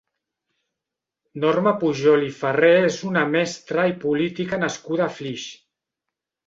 Norma Pujol i Farré és una mestra i política nascuda a Flix.